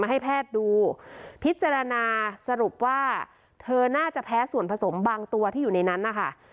ให้แพทย์ดูพิจารณาสรุปว่าเธอน่าจะแพ้ส่วนผสมบางตัวที่อยู่ในนั้นนะคะ